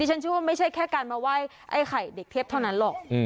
ฉันชื่อว่าไม่ใช่แค่การมาไหว้ไอ้ไข่เด็กเทพเท่านั้นหรอก